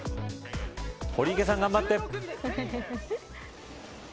堀池さん頑張って。